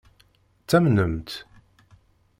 Ttamnen-tt?